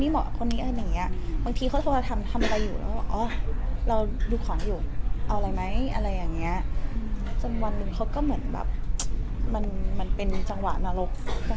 มานึงเขาก็ให้มันจะเป็นจังหวะนรก